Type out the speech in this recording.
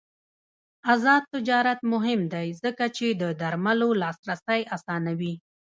آزاد تجارت مهم دی ځکه چې د درملو لاسرسی اسانوي.